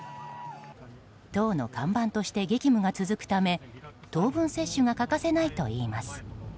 党の看板として激務が続くため糖分摂取が欠かせないといいます。